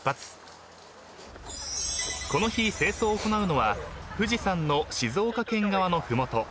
［この日清掃を行うのは富士山の静岡県側の麓］